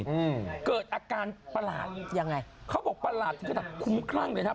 อืมเกิดอาการประหลาดยังไงเขาบอกประหลาดถึงขนาดคุ้มคลั่งเลยนะ